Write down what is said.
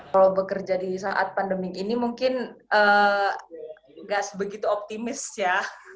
kalau bekerja di saat pandemi ini mungkin nggak sebegitu optimis ya